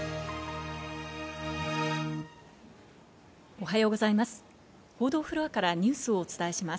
おはようございます。